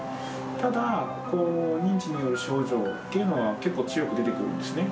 ただ、認知による症状っていうのは、結構強く出てくるんですね。